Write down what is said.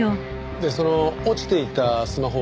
でその落ちていたスマホは？